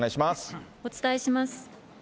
お伝えします。